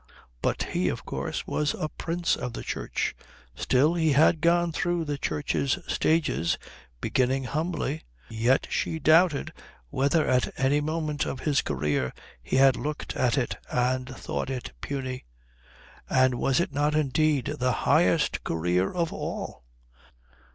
But he, of course, was a prince of the Church. Still, he had gone through the Church's stages, beginning humbly; yet she doubted whether at any moment of his career he had looked at it and thought it puny. And was it not indeed the highest career of all?